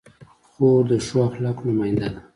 خور د ښو اخلاقو نماینده ده.